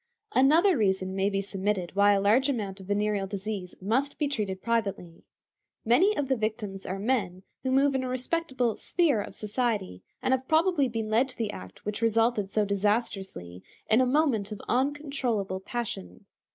Another reason may be submitted why a large amount of venereal disease must be treated privately. Many of the victims are men who move in a respectable sphere of society, and have probably been led to the act which resulted so disastrously in a moment of uncontrollable passion.